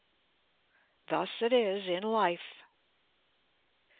Thus it is in life.